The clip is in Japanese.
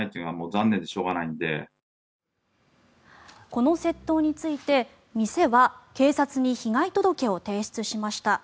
この窃盗について店は警察に被害届を提出しました。